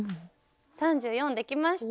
３４できました！